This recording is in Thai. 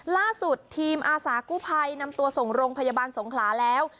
ล่าสุดทีมอาสากู้ภัยนำตัวส่งโรงพยาบาลสงขลาแล้ว